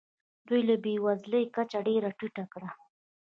دوی د بې وزلۍ کچه ډېره ټیټه کړه.